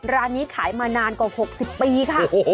ร้านนี้ขายมานานกว่า๖๐ปีค่ะ